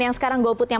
yang sekarang golputnya